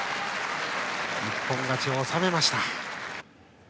一本勝ちを収めました。